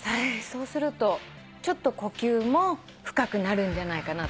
そうすると呼吸も深くなるんじゃないかなと。